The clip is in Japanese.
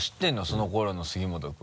その頃の杉本君。